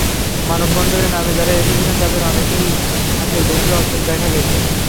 মানববন্ধনের নামে যাঁরা এসেছিলেন, তাঁদের অনেকের হাতেই দেশীয় অস্ত্র দেখা গেছে।